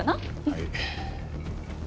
はい。